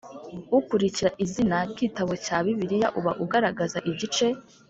ukurikira izina ry igitabo cya Bibiliya uba ugaragaza igice